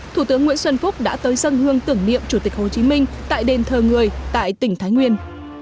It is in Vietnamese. thủ tướng nguyễn xuân phúc đã tới dân hương tưởng niệm chủ tịch hồ chí minh tại đền thờ người tại tỉnh thái nguyên